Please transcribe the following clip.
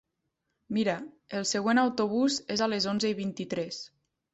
Mira, el següent autobús és a les onze i vint-i-tres.